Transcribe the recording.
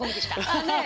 ああねえ。